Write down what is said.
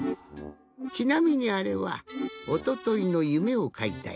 ちなみにあれはおとといのゆめをかいたえじゃ。